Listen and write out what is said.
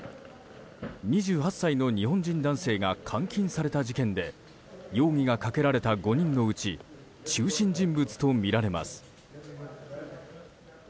２８歳の日本人男性が監禁された事件で容疑がかけられた５人のうち中心人物とみられます。